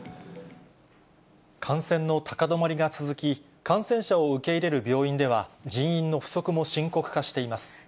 感染の高止まりが続き、感染者を受け入れる病院では、人員の不足も深刻化しています。